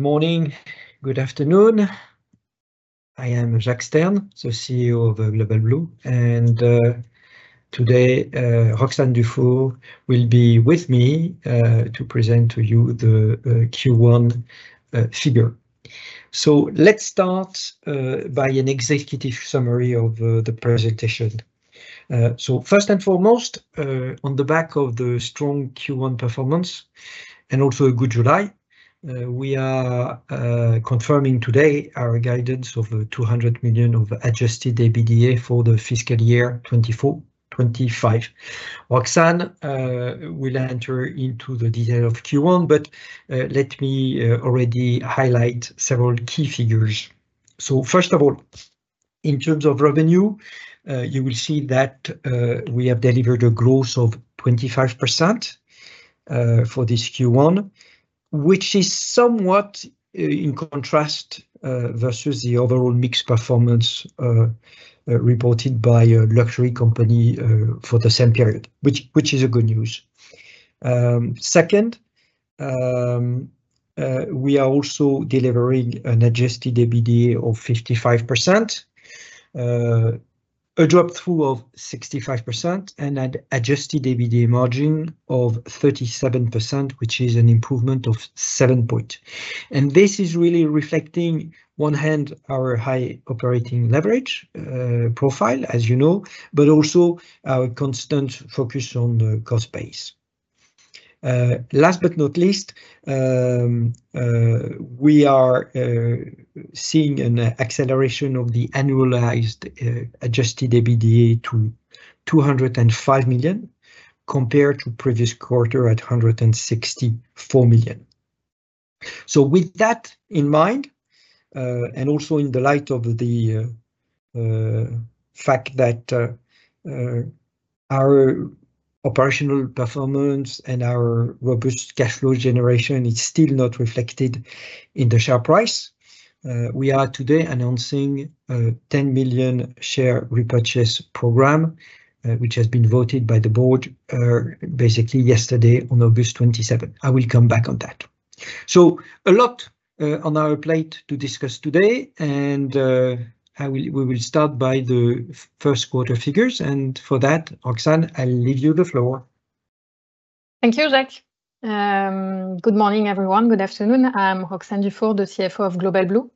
Good morning, good afternoon. I am Jacques Stern, the CEO of Global Blue, and today Roxane Dufour will be with me to present to you the Q1 figure. So let's start by an executive summary of the presentation. So first and foremost, on the back of the strong Q1 performance, and also a good July, we are confirming today our guidance of 200 million of adjusted EBITDA for the fiscal year 2024-2025. Roxane will enter into the detail of Q1, but let me already highlight several key figures. First of all, in terms of revenue, you will see that we have delivered a growth of 25% for this Q1, which is somewhat in contrast versus the overall mixed performance reported by a luxury company for the same period, which is a good news. Second, we are also delivering an adjusted EBITDA of 55%, a drop-through of 65%, and an adjusted EBITDA margin of 37%, which is an improvement of 7-point. This is really reflecting one hand our high operating leverage profile, as you know, but also our constant focus on the cost base. Last but not least, we are seeing an acceleration of the annualized adjusted EBITDA to 205 million, compared to previous quarter at 164 million. So with that in mind, and also in the light of the fact that our operational performance and our robust cash flow generation is still not reflected in the share price, we are today announcing a 10 million share repurchase program, which has been voted by the board, basically yesterday, on August 27th. I will come back on that. So a lot on our plate to discuss today, and we will start by the first quarter figures, and for that, Roxane, I leave you the floor. Thank you, Jacques. Good morning, everyone. Good afternoon. I'm Roxane Dufour, the CFO of Global Blue,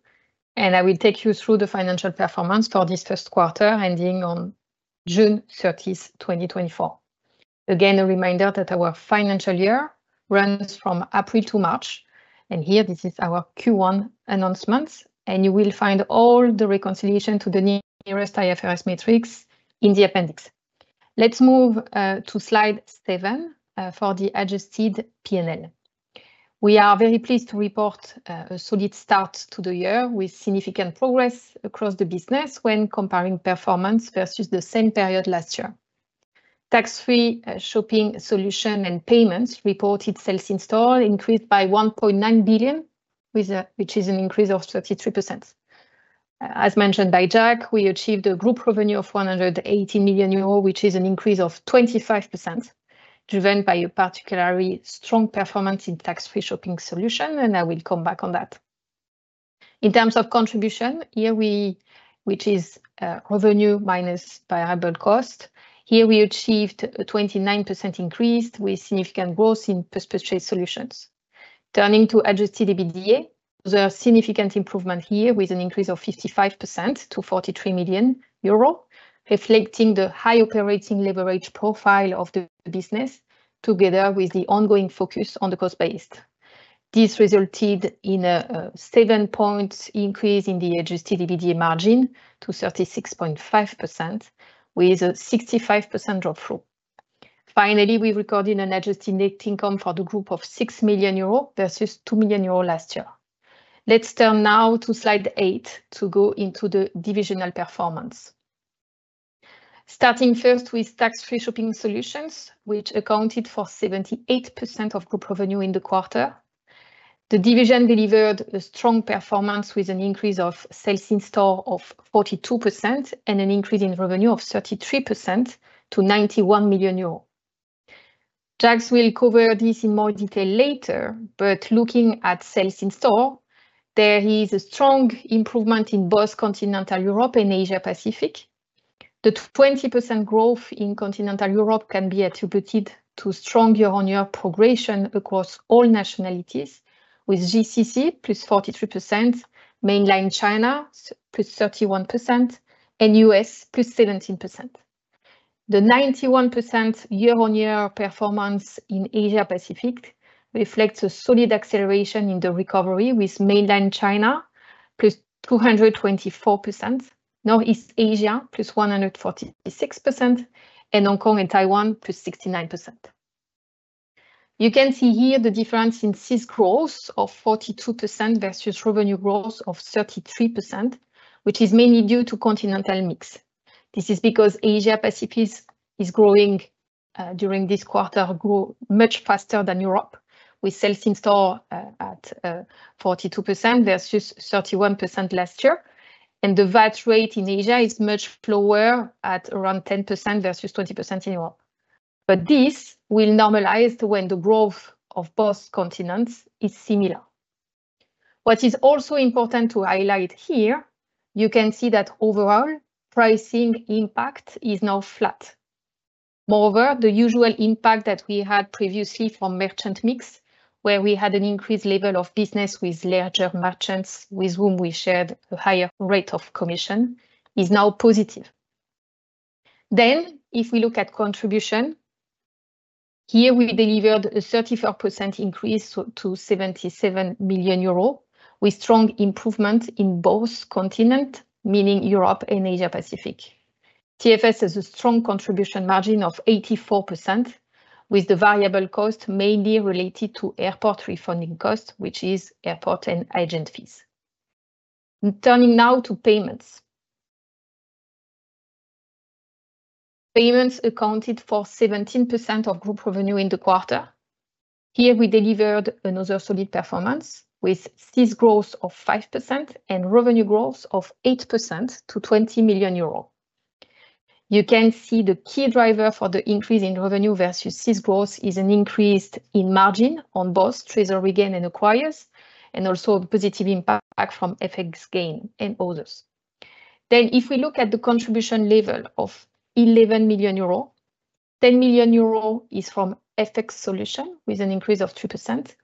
and I will take you through the financial performance for this first quarter, ending on June 30th, 2024. Again, a reminder that our financial year runs from April to March, and here, this is our Q1 announcements, and you will find all the reconciliation to the non-IFRS metrics in the appendix. Let's move to slide seven for the adjusted P&L. We are very pleased to report a solid start to the year, with significant progress across the business when comparing performance versus the same period last year. Tax Free Shopping Solutions and Payments reported Sales in Store increased by 1.9 billion, which is an increase of 33%. As mentioned by Jacques, we achieved a Group revenue of 180 million euro, which is an increase of 25%, driven by a particularly strong performance in Tax Free Shopping Solutions, and I will come back on that. In terms of contribution, which is revenue minus variable cost, we achieved a 29% increase, with significant growth in Post-Purchase Solutions. Turning to adjusted EBITDA, there are significant improvement here, with an increase of 55% to 43 million euro, reflecting the high operating leverage profile of the business, together with the ongoing focus on the cost base. This resulted in a 7 points increase in the adjusted EBITDA margin to 36.5%, with a 65% drop-through. Finally, we recorded an adjusted net income for the Group of 6 million euros versus 2 million euros last year. Let's turn now to slide 8, to go into the divisional performance. Starting first with Tax Free Shopping Solutions, which accounted for 78% of Group revenue in the quarter. The division delivered a strong performance, with an increase of Sales in Store of 42% and an increase in revenue of 33% to 91 million euros. Jacques will cover this in more detail later, but looking at Sales in Store, there is a strong improvement in both Continental Europe and Asia-Pacific. The 20% growth in Continental Europe can be attributed to strong year-on-year progression across all nationalities, with GCC, +43%; Mainland China, +31%; and US, +17%. The 91% year-on-year performance in Asia-Pacific reflects a solid acceleration in the recovery, with Mainland China, +224%; Northeast Asia, +146%; and Hong Kong and Taiwan, +69%. You can see here the difference in SIS growth of 42% versus revenue growth of 33%, which is mainly due to continental mix. This is because Asia-Pacific is growing during this quarter, grew much faster than Europe, with Sales in Store at 42% versus 31% last year. The VAT rate in Asia is much lower, at around 10% versus 20% in Europe, but this will normalize when the growth of both continents is similar. What is also important to highlight here, you can see that overall, pricing impact is now flat. Moreover, the usual impact that we had previously from merchant mix, where we had an increased level of business with larger merchants, with whom we shared a higher rate of commission, is now positive. Then, if we look at contribution, here we delivered a 34% increase to 77 million euro, with strong improvement in both continents, meaning Europe and Asia-Pacific. TFS has a strong contribution margin of 84%, with the variable cost mainly related to airport refunding costs, which is airport and agent fees. Turning now to Payments. Payments accounted for 17% of Group revenue in the quarter. Here, we delivered another solid performance, with sales growth of 5% and revenue growth of 8% to 20 million euro. You can see the key driver for the increase in revenue versus sales growth is an increase in margin on both Treasury Gain and Acquiring, and also a positive impact from FX gain and others. Then, if we look at the contribution level of 11 million euro, 10 million euro is from FX Solutions, with an increase of 2%,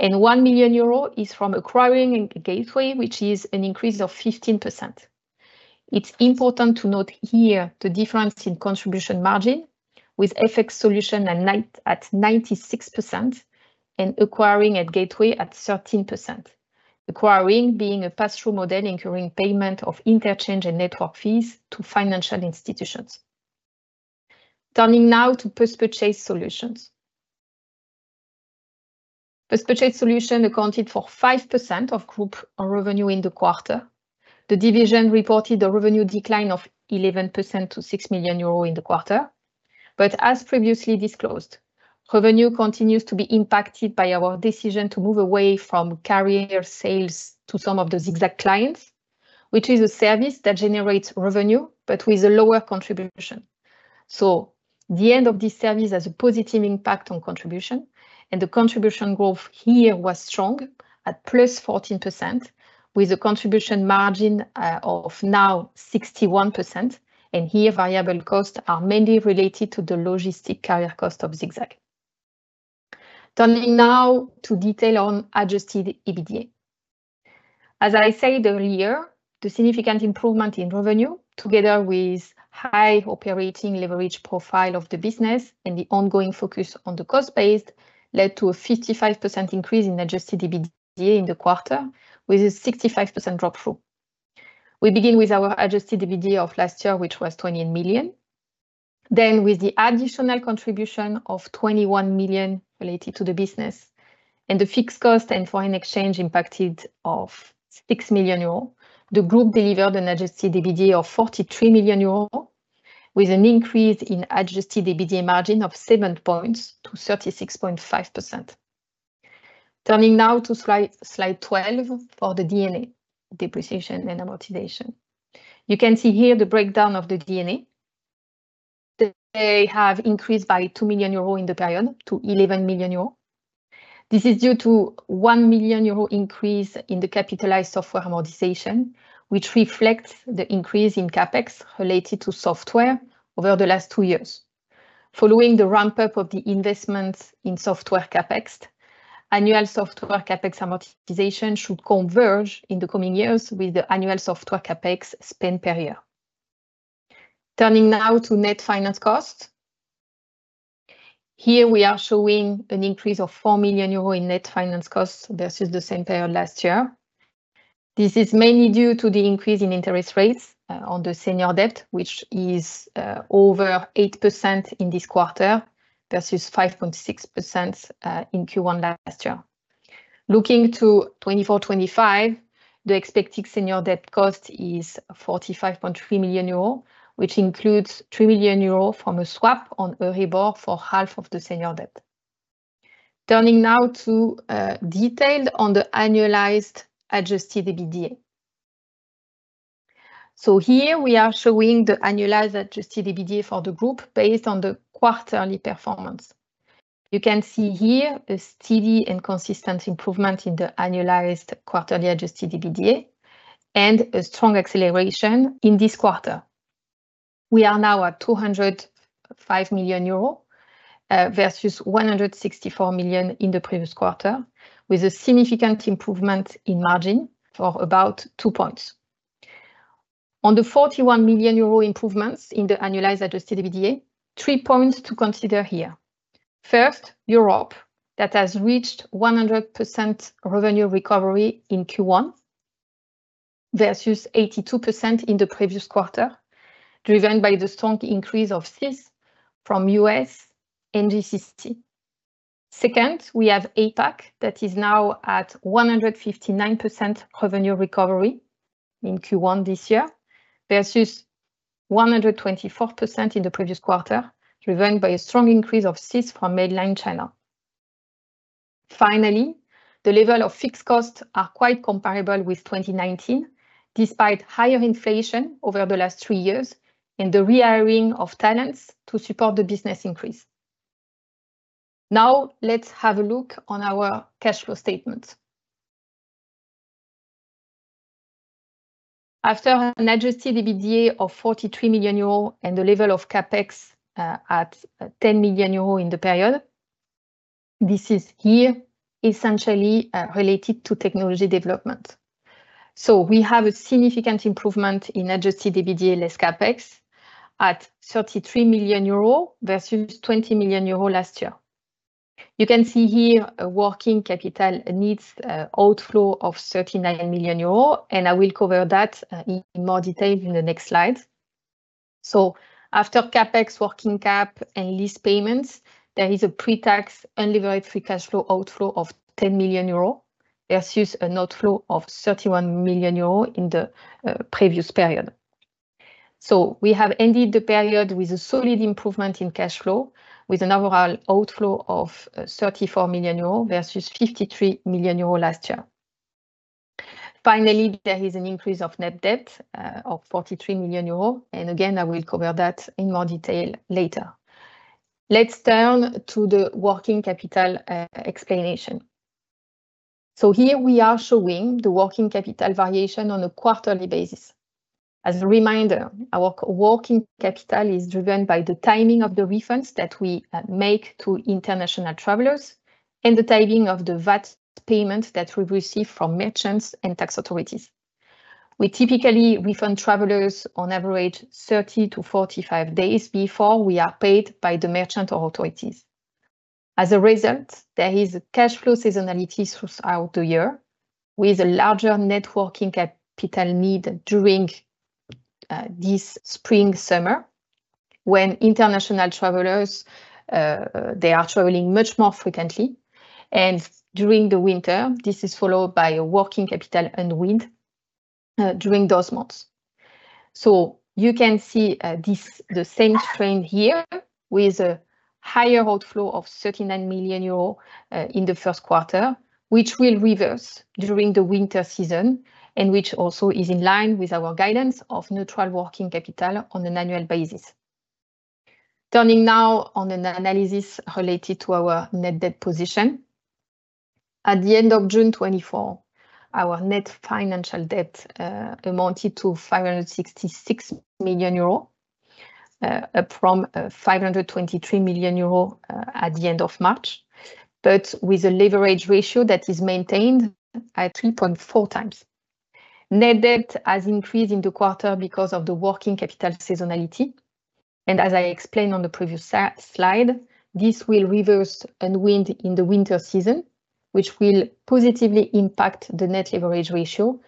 and 1 million euro is from Acquiring and Gateway, which is an increase of 15%. It's important to note here the difference in contribution margin with FX Solutions at 96% and Acquiring and Gateway at 13%. Acquiring being a pass-through model incurring payment of interchange and network fees to financial institutions. Turning now to Post-Purchase Solutions. Post-Purchase Solutions accounted for 5% of Group revenue in the quarter. The division reported a revenue decline of 11% to 6 million euro in the quarter. But as previously disclosed, revenue continues to be impacted by our decision to move away from carrier sales to some of the ZigZag clients, which is a service that generates revenue, but with a lower contribution. So the end of this service has a positive impact on contribution, and the contribution growth here was strong at +14%, with a contribution margin of now 61%, and here, variable costs are mainly related to the logistic carrier cost of ZigZag. Turning now to detail on adjusted EBITDA. As I said earlier, the significant improvement in revenue, together with high operating leverage profile of the business and the ongoing focus on the cost base, led to a 55% increase in adjusted EBITDA in the quarter, with a 65% drop-through. We begin with our adjusted EBITDA of last year, which was 20 million. Then, with the additional contribution of 21 million related to the business and the fixed cost and foreign exchange impact of 6 million euros, the Group delivered an adjusted EBITDA of 43 million euros, with an increase in adjusted EBITDA margin of 7 points to 36.5%. Turning now to slide 12 for the D&A, depreciation and amortization. You can see here the breakdown of the D&A. They have increased by 2 million euro in the period to 11 million euro. This is due to one million euro increase in the capitalized software amortization, which reflects the increase in CapEx related to software over the last two years. Following the ramp-up of the investments in software CapEx, annual software CapEx amortization should converge in the coming years with the annual software CapEx spend per year. Turning now to net finance costs. Here, we are showing an increase of 4 million euro in net finance costs versus the same period last year. This is mainly due to the increase in interest rates on the senior debt, which is over 8% in this quarter, versus 5.6% in Q1 last year. Looking to 2024-2025, the expected senior debt cost is 45.3 million euros, which includes 3 million euros from a swap on Euribor for half of the senior debt. Turning now to detail on the annualized adjusted EBITDA. So here we are showing the annualized adjusted EBITDA for the Group based on the quarterly performance. You can see here a steady and consistent improvement in the annualized quarterly adjusted EBITDA and a strong acceleration in this quarter. We are now at 205 million euro versus 164 million in the previous quarter, with a significant improvement in margin of about 2 points. On the 41 million euro improvements in the annualized adjusted EBITDA, 3 points to consider here. First, Europe that has reached 100% revenue recovery in Q1 versus 82% in the previous quarter, driven by the strong increase of sales from U.S. and GCC. Second, we have APAC that is now at 159% revenue recovery in Q1 this year versus 124% in the previous quarter, driven by a strong increase of sales from Mainland China. Finally, the level of fixed costs are quite comparable with 2019, despite higher inflation over the last three years, and the re-hiring of talents to support the business increase. Now, let's have a look on our cash flow statement. After an adjusted EBITDA of 43 million euros, and the level of CapEx at 10 million euros in the period, this is here essentially related to technology development. So we have a significant improvement in adjusted EBITDA less CapEx at 33 million euro versus 20 million euro last year. You can see here a working capital needs outflow of 39 million euros, and I will cover that in more detail in the next slide. So after CapEx, working cap, and lease payments, there is a pre-tax unlevered free cash flow outflow of 10 million euro versus an outflow of 31 million euro in the previous period. So we have ended the period with a solid improvement in cash flow, with an overall outflow of 34 million euros versus 53 million euros last year. Finally, there is an increase of net debt of 43 million euros, and again, I will cover that in more detail later. Let's turn to the working capital explanation. So here we are showing the working capital variation on a quarterly basis. As a reminder, our working capital is driven by the timing of the refunds that we make to international travelers and the timing of the VAT payment that we receive from merchants and tax authorities. We typically refund travelers on average 30-45 days before we are paid by the merchant or authorities. As a result, there is a cash flow seasonality throughout the year, with a larger net working capital need during this spring, summer, when international travelers they are traveling much more frequently, and during the winter this is followed by a working capital unwind during those months. So you can see, this the same trend here, with a higher outflow of 39 million euros in the first quarter, which will reverse during the winter season, and which also is in line with our guidance of neutral working capital on an annual basis. Turning now on an analysis related to our net debt position. At the end of June 2024, our net financial debt amounted to 566 million euro, up from 523 million euro at the end of March, but with a leverage ratio that is maintained at 3.4x. Net debt has increased in the quarter because of the working capital seasonality, and as I explained on the previous slide, this will reverse and wind in the winter season, which will positively impact the net leverage ratio,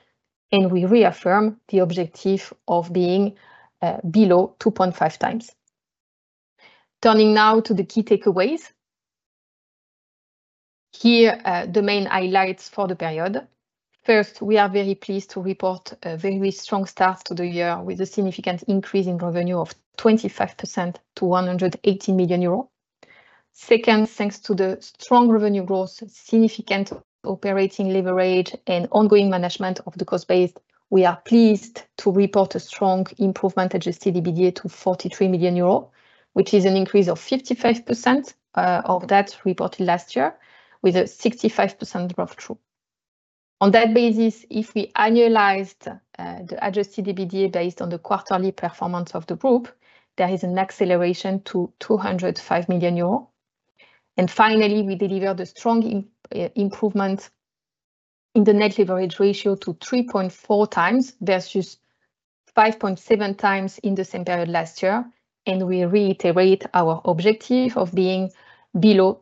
and we reaffirm the objective of being below 2.5x. Turning now to the key takeaways. Here, the main highlights for the period. First, we are very pleased to report a very strong start to the year with a significant increase in revenue of 25% to 180 million euro. Second, thanks to the strong revenue growth, significant operating leverage, and ongoing management of the cost base, we are pleased to report a strong improvement in adjusted EBITDA to 43 million euro, which is an increase of 55% of that reported last year, with a 65% drop-through. On that basis, if we annualized the adjusted EBITDA based on the quarterly performance of the Group, there is an acceleration to 205 million euros. Finally, we delivered a strong improvement in the net leverage ratio to 3.4x versus 5.7x in the same period last year, and we reiterate our objective of being below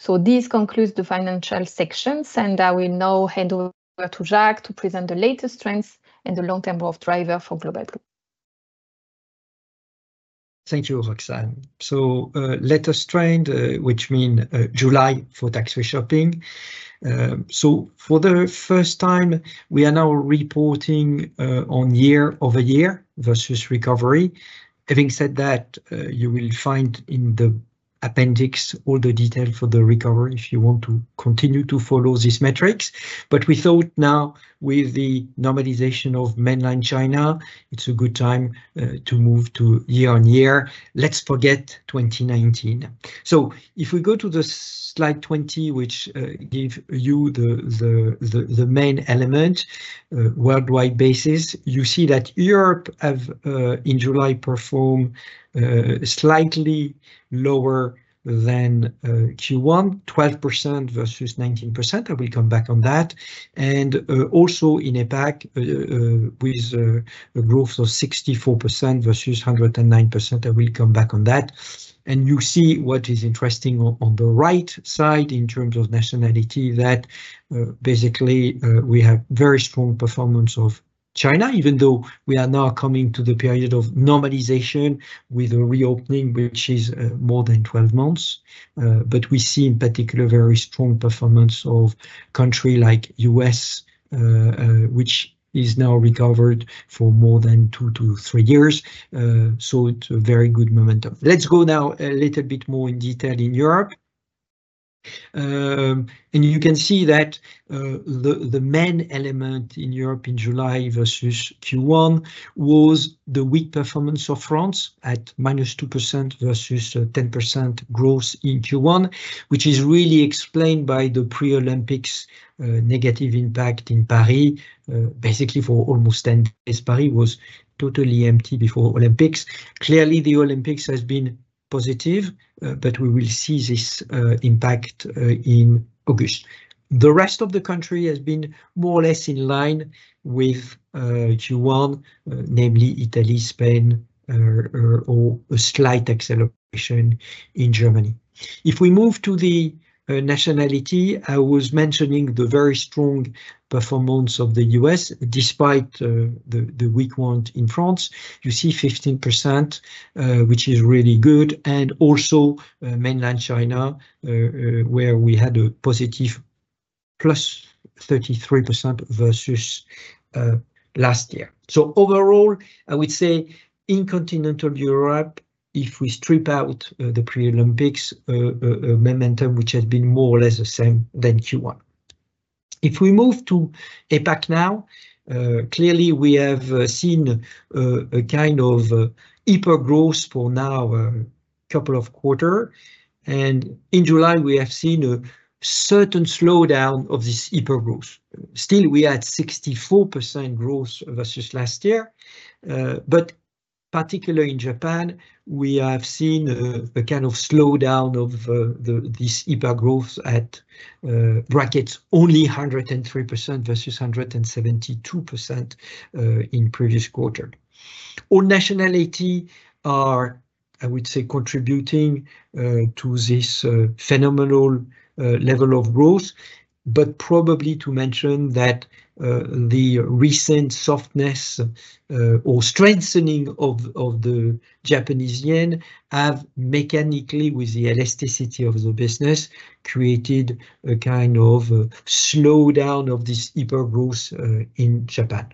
2.5x. This concludes the financial sections, and I will now hand over to Jacques to present the latest trends and the long-term growth driver for Global Blue. Thank you, Roxane. Latest trend, which means July for Tax Free Shopping. For the first time, we are now reporting on year-over-year versus recovery. Having said that, you will find in the appendix all the details for the recovery, if you want to continue to follow these metrics. But we thought now, with the normalization of Mainland China, it's a good time to move to year on year. Let's forget 2019. So if we go to the slide 20, which gives you the main element worldwide basis, you see that Europe has in July performed slightly lower than Q1, 12% versus 19%. I will come back on that. Also in APAC, with a growth of 64% versus 109%, I will come back on that. You see what is interesting on the right side, in terms of nationality, that basically we have very strong performance of China, even though we are now coming to the period of normalization with a reopening, which is more than 12 months. But we see in particular very strong performance of country like U.S. which is now recovered for more than two to three years. So it's a very good momentum. Let's go now a little bit more in detail in Europe. And you can see that the main element in Europe in July versus Q1 was the weak performance of France at -2% versus 10% growth in Q1, which is really explained by the pre-Olympics negative impact in Paris. Basically, for almost 10 days, Paris was totally empty before Olympics. Clearly, the Olympics has been positive, but we will see this impact in August. The rest of the country has been more or less in line with Q1, namely Italy, Spain, or a slight acceleration in Germany. If we move to the nationality, I was mentioning the very strong performance of the U.S. despite the weak one in France. You see 15%, which is really good, and also Mainland China, where we had a positive +33% versus last year. So overall, I would say in Continental Europe, if we strip out the pre-Olympics momentum, which has been more or less the same than Q1. If we move to APAC now, clearly we have seen a kind of hyper-growth for now, a couple of quarter. And in July, we have seen a certain slowdown of this hyper-growth. Still, we had 64% growth versus last year. But particularly in Japan, we have seen a kind of slowdown of this hyper-growth at brackets only 103% versus 172% in previous quarter. All nationalities are, I would say, contributing to this phenomenal level of growth, but probably to mention that the recent softness or strengthening of the Japanese yen have mechanically, with the elasticity of the business, created a kind of a slowdown of this hyper-growth in Japan.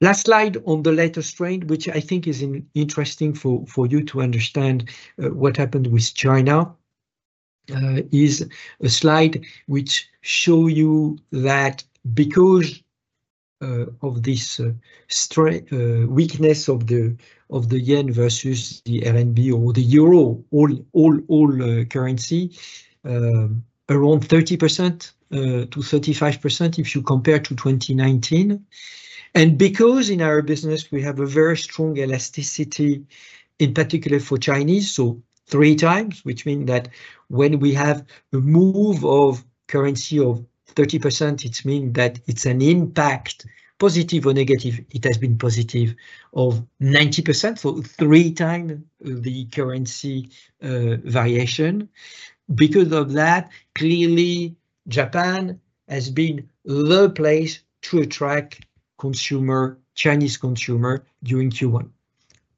Last slide on the latest trend, which I think is interesting for you to understand what happened with China, is a slide which show you that because of this weakness of the yen versus the RMB or the euro, all currencies around 30%-35%, if you compare to 2019. Because in our business we have a very strong elasticity, in particular for Chinese, so 3x, which mean that when we have a move of currency of 30%, it means that it's an impact, positive or negative, it has been positive of 90%, so 3x the currency variation. Because of that, clearly, Japan has been the place to attract Chinese consumer during Q1.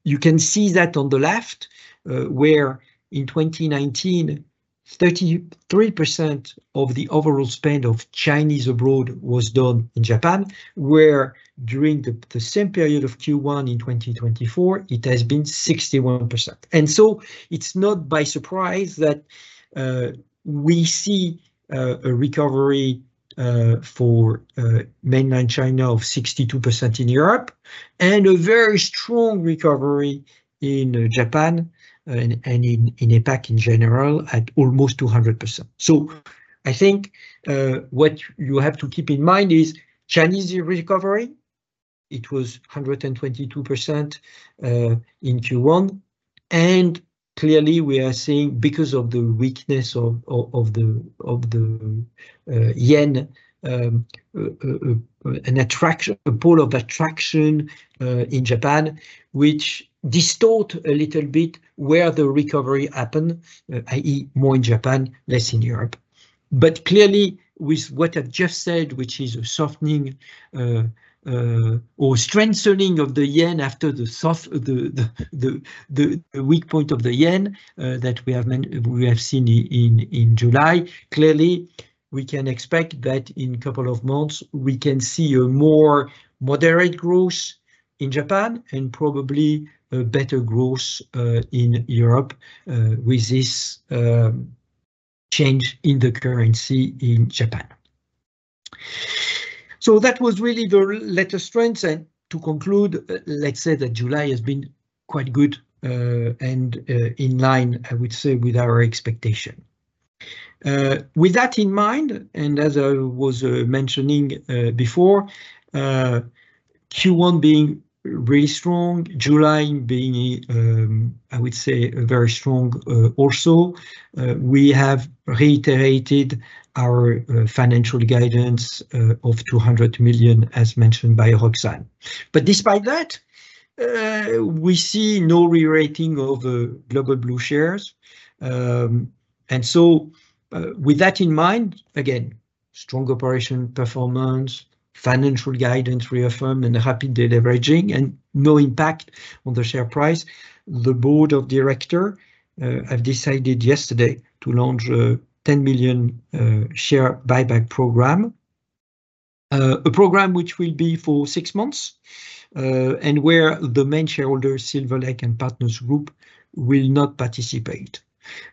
You can see that on the left, where in 2019, 33% of the overall spend of Chinese abroad was done in Japan, where during the same period of Q1 in 2024, it has been 61%. And so it's not by surprise that we see a recovery for Mainland China of 62% in Europe, and a very strong recovery in Japan and in APAC in general, at almost 200%. So I think what you have to keep in mind is Chinese recovery, it was 122% in Q1. And clearly, we are seeing because of the weakness of the yen an attraction, a pool of attraction in Japan, which distort a little bit where the recovery happened, i.e., more in Japan, less in Europe. But clearly, with what I've just said, which is a softening or strengthening of the yen after the weak point of the yen that we have seen in July, clearly, we can expect that in couple of months we can see a more moderate growth in Japan and probably a better growth in Europe with this change in the currency in Japan, so that was really the latest trends, and to conclude, let's say that July has been quite good and in line, I would say, with our expectation. With that in mind, and as I was mentioning before, Q1 being really strong, July being, I would say, a very strong also, we have reiterated our financial guidance of 200 million, as mentioned by Roxane, but despite that, we see no re-rating of Global Blue shares, and so, with that in mind, again, strong operation performance, financial guidance reaffirmed, and a rapid de-leveraging, and no impact on the share price. The board of directors have decided yesterday to launch a 10 million share buyback program, a program which will be for six months, and where the main shareholder, Silver Lake and Partners Group, will not participate.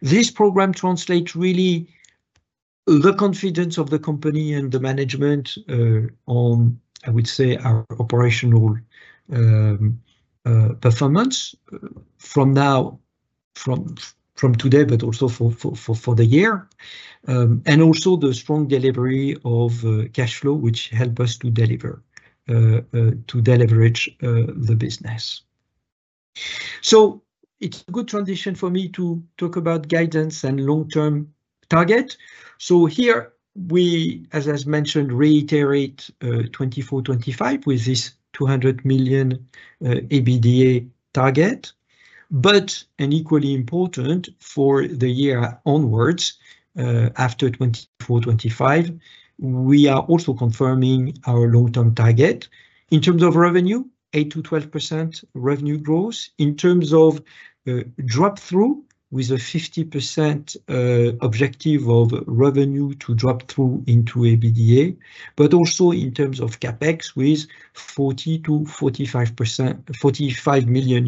This program translates really the confidence of the company and the management on, I would say, our operational performance from today, but also for the year. And also the strong delivery of cash flow, which help us to deliver to de-leverage the business. It's a good transition for me to talk about guidance and long-term target. Here we, as I mentioned, reiterate 2024, 2025, with this 200 million EBITDA target. But, and equally important, for the year onwards after 2024, 2025, we are also confirming our long-term target. In terms of revenue, 8% to 12% revenue growth. In terms of drop-through, with a 50% objective of revenue to drop through into EBITDA, but also in terms of CapEx, with 40%-45%, EUR 45 million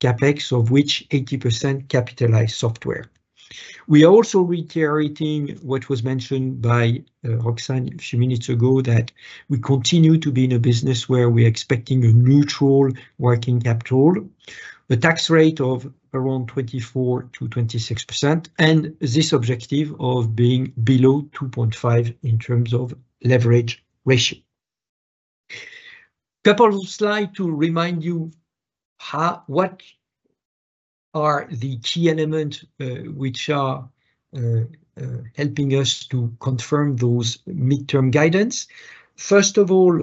CapEx, of which 80% capitalized software. We are also reiterating what was mentioned by Roxane a few minutes ago, that we continue to be in a business where we are expecting a neutral working capital. A tax rate of around 24%-26%, and this objective of being below 2.5% in terms of leverage ratio. Couple of slides to remind you what are the key elements which are helping us to confirm those mid-term guidance. First of all,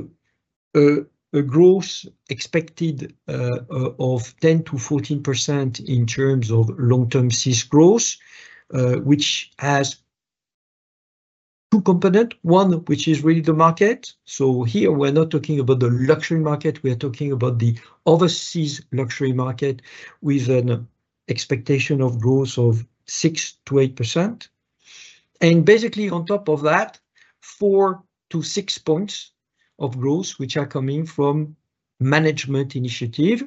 a growth expected of 10%-14% in terms of long-term SIS growth, which has two components: one, which is really the market. Here we're not talking about the luxury market, we are talking about the overseas luxury market, with an expectation of growth of 6%-8%. Basically, on top of that, 4-6 points of growth, which are coming from management initiative,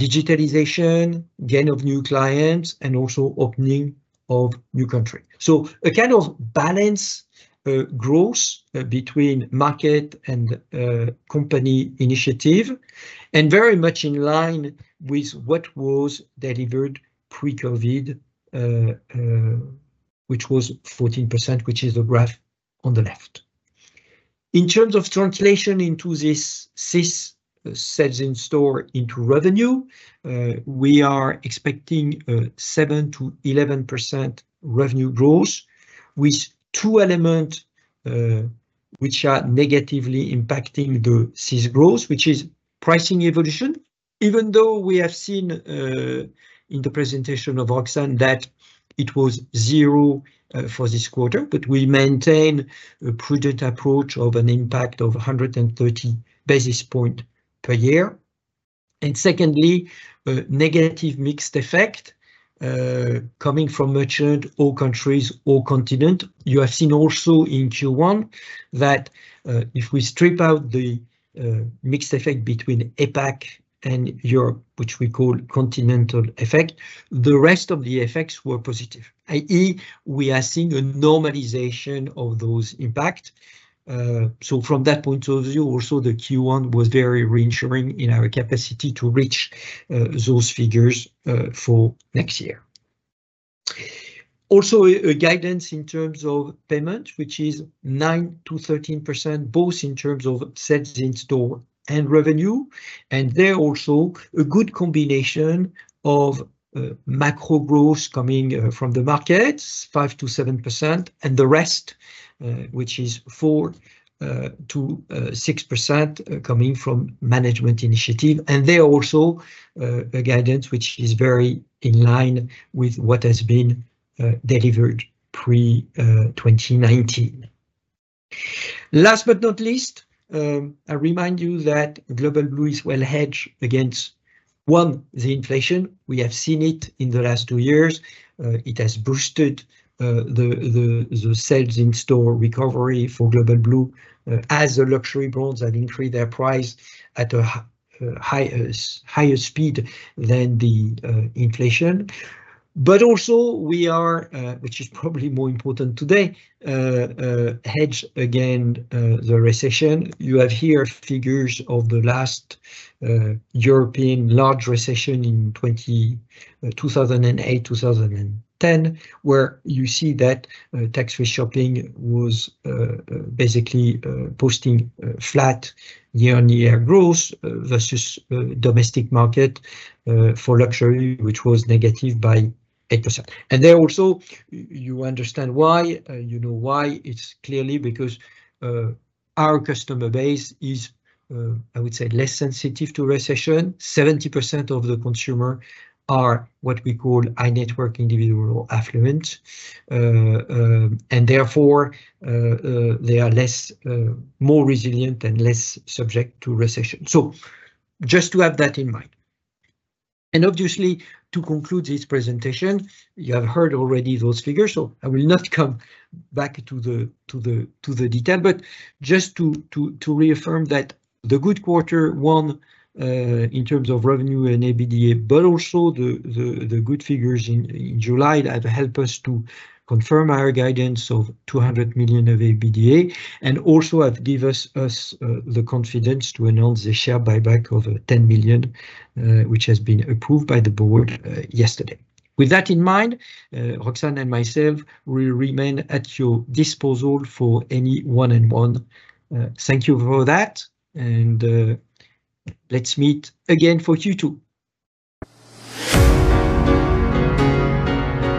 digitalization, gain of new clients, and also opening of new country. A kind of balanced growth between market and company initiative, and very much in line with what was delivered pre-COVID, which was 14%, which is the graph on the left. In terms of translation into this SIS, Sales in Store into revenue, we are expecting 7%-11% revenue growth, with two element which are negatively impacting the SIS growth, which is pricing evolution. Even though we have seen, in the presentation of Roxane, that it was zero for this quarter, but we maintain a prudent approach of an impact of hundred and thirty basis points per year. And secondly, negative mix effect coming from mature all countries, all continents. You have seen also in Q1 that if we strip out the mix effect between APAC and Europe, which we call continental effect, the rest of the effects were positive, i.e., we are seeing a normalization of those impacts. So from that point of view, also, the Q1 was very reassuring in our capacity to reach those figures for next year. Also, a guidance in terms of Payments, which is 9%-13%, both in terms of Sales in Store and revenue. And there also a good combination of macro growth coming from the markets, 5%-7%, and the rest which is 4%-6% coming from management initiative. And there also a guidance which is very in line with what has been delivered pre-2019. Last but not least, I remind you that Global Blue is well hedged against, one, the inflation. We have seen it in the last two years. It has boosted the Sales in Store recovery for Global Blue, as the luxury brands have increased their price at a higher speed than the inflation. But also we are, which is probably more important today, hedged against the recession. You have here figures of the last European large recession in 2008, 2010, where you see that Tax Free Shopping was basically posting flat year-on-year growth versus domestic market for luxury, which was negative by 8%. And there also, you understand why, you know why? It's clearly because our customer base is, I would say, less sensitive to recession. 70% of the consumer are what we call high-net-worth individual or affluent. And therefore, they are less more resilient and less subject to recession. So just to have that in mind. And obviously, to conclude this presentation, you have heard already those figures, so I will not come back to the detail. But just to reaffirm that the good quarter one in terms of revenue and EBITDA, but also the good figures in July that help us to confirm our guidance of 200 million of EBITDA, and also have give us the confidence to announce the share buyback of 10 million, which has been approved by the board yesterday. With that in mind, Roxane and myself will remain at your disposal for any one-on-one. Thank you for that, and let's meet again for Q2.